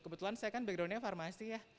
kebetulan saya kan backgroundnya farmasi ya